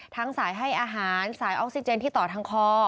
สายให้อาหารสายออกซิเจนที่ต่อทางคอ